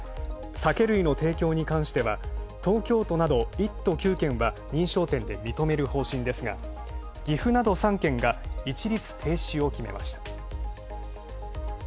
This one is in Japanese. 酒類の提供に関しては東京都など１都９県は認証店で認める方針ですが岐阜など３県が一律停止を決めました。